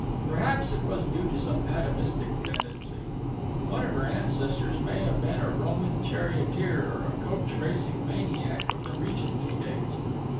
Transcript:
Perhaps it was due to some atavistic tendency. One of her ancestors may have been a Roman charioteer or a coach racing maniac of the Regency days.